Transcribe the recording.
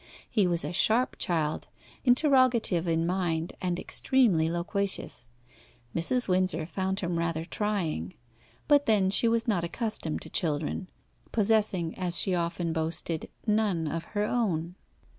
He was a sharp child, interrogative in mind, and extremely loquacious. Mrs. Windsor found him rather trying. But then she was not accustomed to children, possessing, as she often boasted, none of her own.